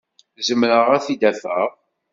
Zemreɣ ad t-id-afeɣ?